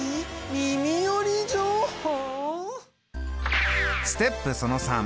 耳寄り情報？